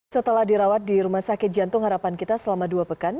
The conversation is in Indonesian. setelah dirawat di rumah sakit jantung harapan kita selama dua pekan